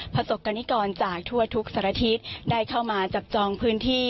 ประสบกรณิกรจากทั่วทุกสารทิศได้เข้ามาจับจองพื้นที่